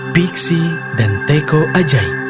biksi dan teko ajaib